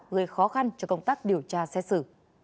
gây khó khăn cho công tác điều tra xét xử